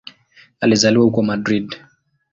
Alizaliwa huko Madrid.